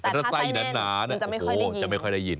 แต่ถ้าไส้แน่นมันจะไม่ค่อยได้ยิน